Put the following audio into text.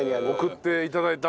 送って頂いた？